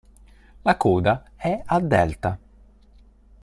La coda è a delta.